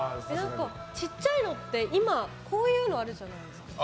小さいのって今こういうのあるじゃないですか。